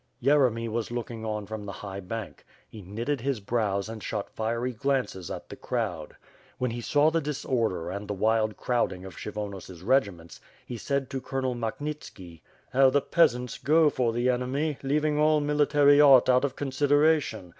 Yeremy was looking on from the high bank. He knitted his brows and shot fiery glances at the crowd. When he saw the disorder and the wild crowding of Kshyvonos' regi ments, he said .to Colonel Makhnitski: "How the peasants go for the enemy, leaving all military art out of consideration.